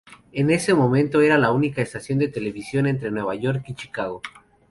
En ese momento, era la única estación de televisión entre Nueva York y Chicago.